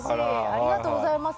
ありがとうございます。